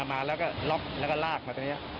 มาแล้วก็ล็อกแล้วก็ลากมาตรงนี้